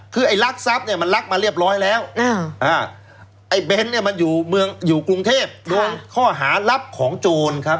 คือไอ้รักทรัพย์มันรักมาเรียบร้อยแล้วไอ้เบนท์มันอยู่กรุงเทพโดยข้อหารับของโจรครับ